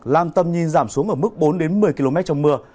làm tầm nhìn giảm xuống ở mức bốn một mươi km trong mưa